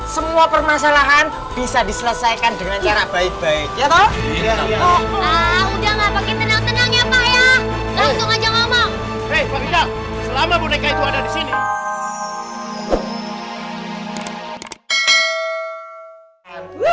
semua permasalahan bisa diselesaikan dengan cara baik baik